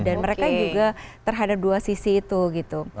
dan mereka juga terhadap dua sisi itu gitu